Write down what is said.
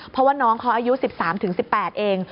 เพราะว่าน้องเขาอายุ๑๓๑๘เอง